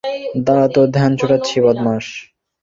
দাঁড়া তোর ধ্যান ছুটাচ্ছি বদমাশ।